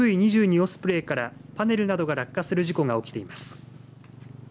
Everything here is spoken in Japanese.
オスプレイからパネルなどが落下する事故が起きています。